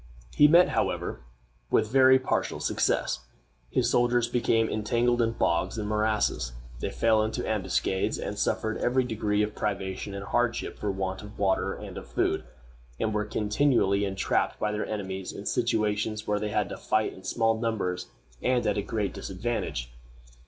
He met, however, with very partial success. His soldiers became entangled in bogs and morasses; they fell into ambuscades; they suffered every degree of privation and hardship for want of water and of food, and were continually entrapped by their enemies in situations where they had to fight in small numbers and at a great disadvantage.